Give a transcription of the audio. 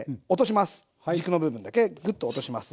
軸の部分だけグッと落とします。